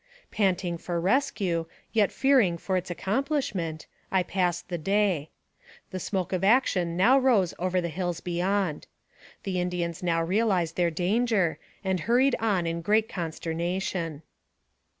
Panting for rescue, yet fearing for its accomplish ment, I passed the day. The smoke of action now rose over the hills beyond. The Indians now realized their danger, and hurried on in great consternation.